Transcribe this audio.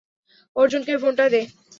অর্জুনকে ফোনটা দে।